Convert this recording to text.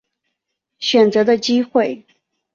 选择的机会